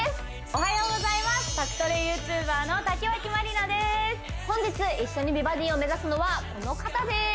おはようございます宅トレＹｏｕＴｕｂｅｒの竹脇まりなです本日一緒に美バディを目指すのはこの方です